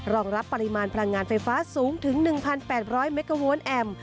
รองรับปริมาณพลังงานไฟฟ้าสูงถึง๑๘๐๐เมกาวนแอมป